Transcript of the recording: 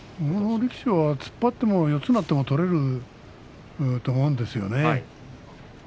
この力士は突っ張っても四つになっても取れると思うんですよね。